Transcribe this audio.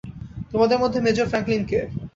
তোমাদের মধ্যে major Franklin কে?